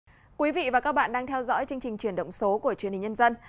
thưa quý vị và các bạn đang theo dõi chương trình truyền động số của chuyên hình nhân dân